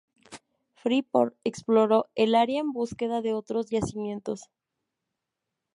Freeport exploró el área en búsqueda de otros yacimientos.